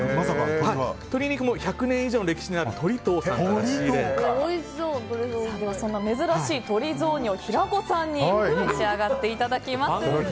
鶏肉も１００年以上の歴史のある鳥藤さんからその珍しい鶏雑煮を平子さんにいただきます。